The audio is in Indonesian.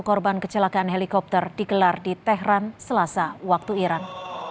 korban kecelakaan helikopter digelar di tehran selasa waktu iran